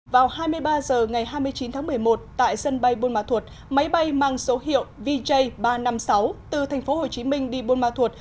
vào hai mươi ba h ngày hai mươi chín tháng một mươi một tại sân bay buôn ma thuột máy bay mang số hiệu vj ba trăm năm mươi sáu từ thành phố hồ chí minh đi buôn ma thuột